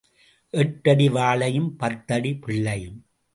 எட்டு அடி வாழையும் பத்தடி பிள்ளையும்.